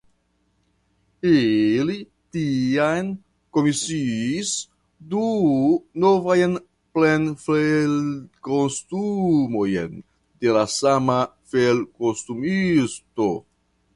Ili tiam komisiis du novajn plenfelkostumojn de la sama felkostumisto.